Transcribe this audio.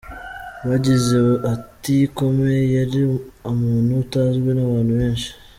Yagize ati “Comey yari umuntu utazwi n’abantu benshi.